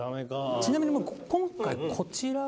ちなみに今回こちら。